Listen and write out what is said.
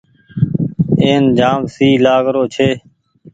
اين جآم سئي لآگ رو ڇي۔